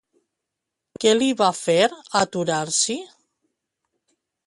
Què li va fer aturar-s'hi?